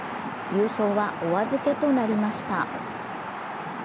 優勝はお預けとなりました。